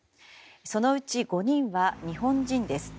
そのうち５人は日本人です。